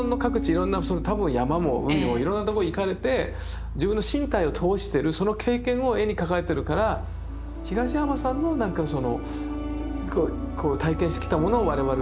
いろんな多分山も海もいろいろなとこ行かれて自分の身体を通してるその経験を絵に描かれてるから東山さんの体験してきたものを我々はこうね体験してるのかもしれない。